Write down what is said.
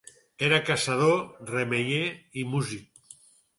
Era caçador, remeier i músic.